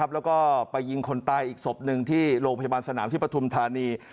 แล้วก็ไปยิงคนตายอีกศพหนึ่งที่โรงพยาบาลสนามที่ปฐุมธานี